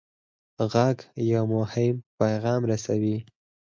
غږ یو مهم پیغام رسوي.